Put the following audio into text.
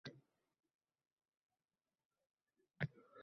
Davlat tili taraqqiyoti: muammo va yechimlarng